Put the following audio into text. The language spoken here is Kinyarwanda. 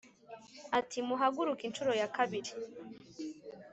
ati:” muhaguruke inshuro ya kabiri